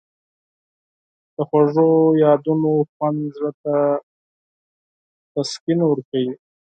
د خوږو یادونو خوند زړه ته تسکین ورکوي.